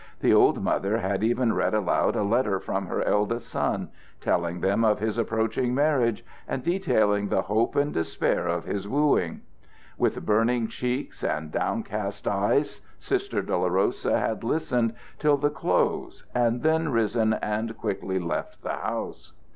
The old mother had even read aloud a letter from her eldest son, telling them of his approaching marriage and detailing the hope and despair of his wooing. With burning cheeks and downcast eyes Sister Dolorosa had listened till the close and then risen and quickly left the house.